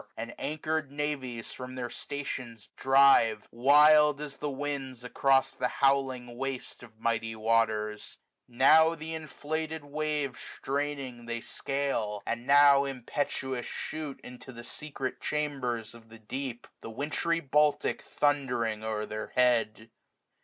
And anchored navies from their stations drive, IVild as the winds across the howling waste 165 Pf mighty waters : now th' inflated wave iti WINTER. Straining they scale, and now impetuoua shoot Into the secret chambers of the deep. The wintry Baltic thundering o'er thdr head.